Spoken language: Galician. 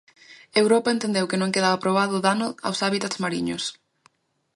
Europa entendeu que non quedaba probado o dano aos hábitats mariños.